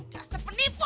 dasar penipu lu